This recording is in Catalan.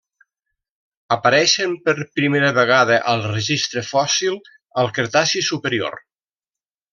Apareixen per primera vegada al registre fòssil al Cretaci Superior.